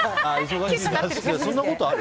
そんなことある？